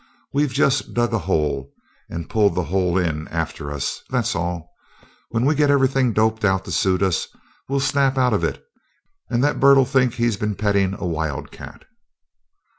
"We've just dug a hole and pulled the hole in after us, that's all! When we get everything doped out to suit us, we'll snap out of it and that bird'll think he's been petting a wildcat!"